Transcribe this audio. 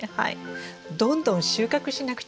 どんどん収穫しなくちゃ。